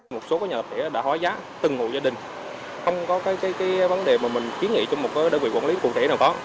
một số nhà tập thể đã hóa giá từng hộ gia đình không có vấn đề mà mình kiến nghị trong một đơn vị quản lý cụ thể nào có